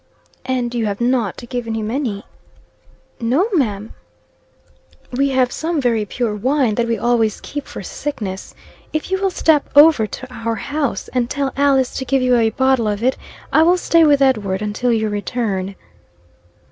"And you have not given him any?" "No, ma'am." "We have some very pure wine, that we always keep for sickness. If you will step over to our house, and tell Alice to give you a bottle of it, I will stay with Edward until you return."